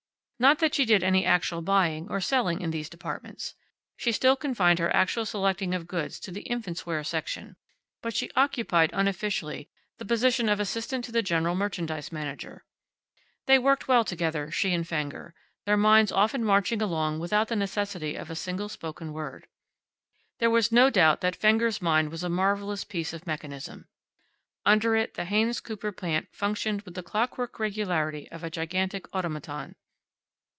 Not that she did any actual buying, or selling in these departments. She still confined her actual selecting of goods to the infants' wear section, but she occupied, unofficially, the position of assistant to the General Merchandise Manager. They worked well together, she and Fenger, their minds often marching along without the necessity of a single spoken word. There was no doubt that Fenger's mind was a marvelous piece of mechanism. Under it the Haynes Cooper plant functioned with the clockwork regularity of a gigantic automaton.